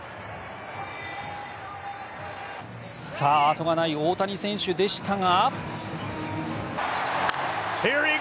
さあ、あとがない大谷選手でしたが。